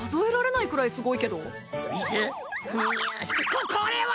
ここれは。